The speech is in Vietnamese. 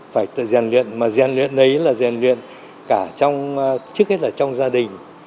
phải gian luyện mà gian luyện đấy là gian luyện cả trong trước hết là trong gia đình